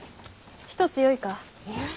一つよいか。